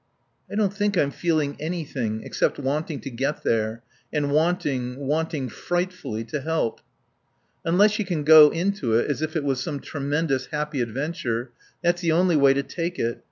"I don't think I'm feeling anything except wanting to get there. And wanting wanting frightfully to help." "Unless you can go into it as if it was some tremendous, happy adventure That's the only way to take it.